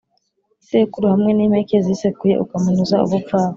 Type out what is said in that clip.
Isekuru hamwe n impeke zisekuye ukamunoza ubupfapfa